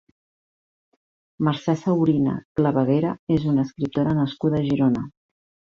Mercè Saurina Clavaguera és una escriptora nascuda a Girona.